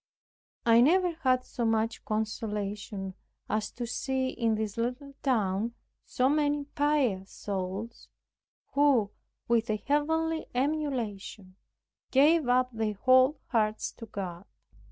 I never had so much consolation as to see in this little town so many pious souls who with a heavenly emulation gave up their whole hearts to God.